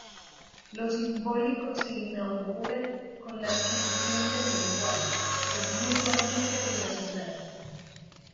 Lo simbólico se inaugura con la adquisición del lenguaje; es mutuamente relacional.